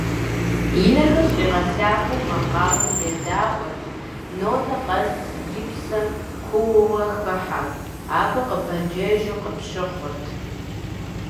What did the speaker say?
И нэхэр щӏригъэлъафэу макъамэм едаӀуэрт, нотэ къэс и псэм куууэ хыхьэу, абы къыпэджэжу къыпщыхъурт.